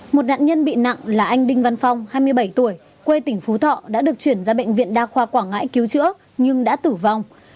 một nạn nhân bị nặng là anh đinh văn phong hai mươi bảy tuổi quê tỉnh phú thọ đã được chuyển ra bệnh viện đa khoa quảng ngãi cứu chữa nhưng đã tử vong